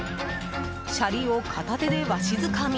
シャリを片手でわしづかみ。